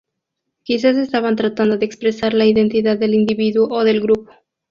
Quizás estaban tratando de expresar la identidad del individuo o del grupo.